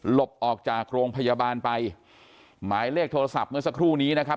ออกจากโรงพยาบาลไปหมายเลขโทรศัพท์เมื่อสักครู่นี้นะครับ